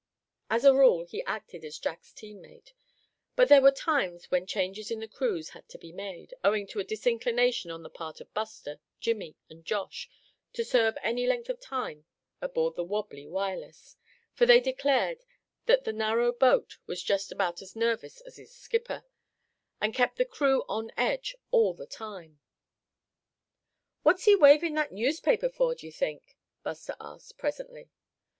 As a rule he acted as Jack's team mate; but there were times when changes in the crews had to be made, owing to a disinclination on the part of Buster, Jimmy, and Josh to serve any great length of time aboard the wobbly Wireless; for they declared that the narrow boat was just about as nervous as its skipper, and kept the crew on edge all the time. "What's he waving that newspaper for, d'ye think?" Buster asked, presently.